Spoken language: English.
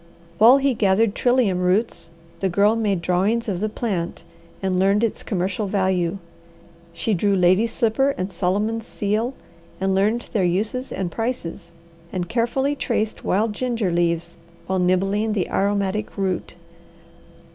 While he gathered trillium roots the Girl made drawings of the plant and learned its commercial value. She drew lady's slipper and Solomon's seal, and learned their uses and prices; and carefully traced wild ginger leaves while nibbling the aromatic root.